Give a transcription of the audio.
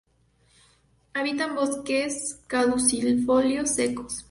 Habita en bosques caducifolios secos.